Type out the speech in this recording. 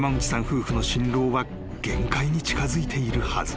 夫婦の心労は限界に近づいているはず］